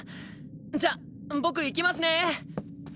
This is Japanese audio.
じゃあ僕行きますね。